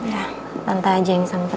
ya tante aja yang sampai